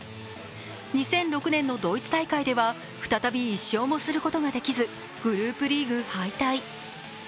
２００６年のドイツ大会では再び１勝もすることができずグループリーグ敗退。